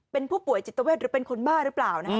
เป็นผู้ป่วยจิตเวทหรือเป็นคนบ้าหรือเปล่า